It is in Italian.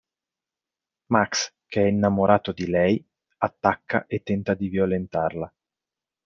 Max, che è innamorato di lei, attacca e tenta di violentarla.